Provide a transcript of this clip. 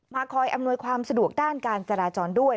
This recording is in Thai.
คอยอำนวยความสะดวกด้านการจราจรด้วย